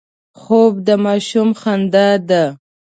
خوب د ماشوم خندا ده